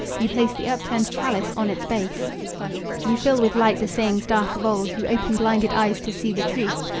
You place the upturned chalice on its base. You fill with light the sayings dark of old. You open blinded eyes to see the truth."